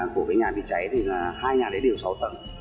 của cái nhà bị cháy thì hai nhà đấy đều sáu tầng